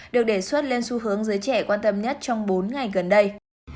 được đề xuất lên xu hướng giới trẻ quan tâm nhất trong bốn ngày gần đây